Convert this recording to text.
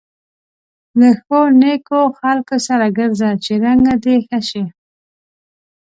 له ښو نېکو خلکو سره ګرځه چې رنګه دې ښه شي.